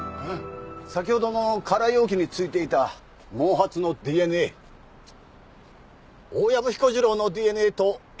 先ほどの空容器に付いていた毛髪のＤＮＡ大藪彦次郎のＤＮＡと一致しました。